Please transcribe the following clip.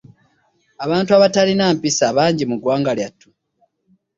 Abantu abatalina mpisa bangi mu ggwanga lyattu.